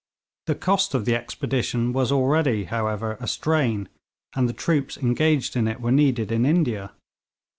The cost of the expedition was already, however, a strain, and the troops engaged in it were needed in India.